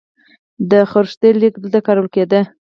د خروشتي لیک دلته کارول کیده